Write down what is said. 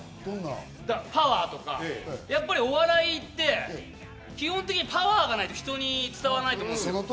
パワーとか、やっぱりお笑いって基本的にパワーがないと、人に伝わらないと思う。